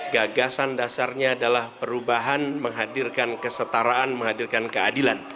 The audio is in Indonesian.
gagasan dasarnya adalah perubahan menghadirkan kesetaraan menghadirkan keadilan